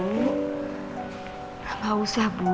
gak usah bu